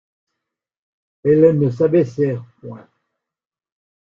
Elle ne s’abaissèrent point.